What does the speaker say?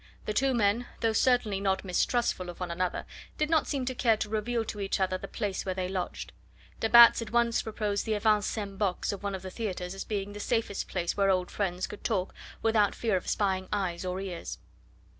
The two men, though certainly not mistrustful of one another, did not seem to care to reveal to each other the place where they lodged. De Batz at once proposed the avant scene box of one of the theatres as being the safest place where old friends could talk without fear of spying eyes or ears.